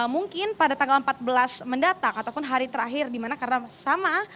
mungkin pada tanggal empat belas mendatang ataupun hari terakhir di mana karena sama